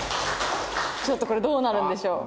ちょっとこれどうなるんでしょう？